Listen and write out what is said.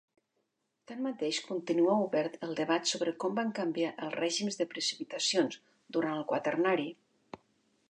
Tanmateix, continua obert el debat sobre com van canviar els règims de precipitacions durant el Quaternari.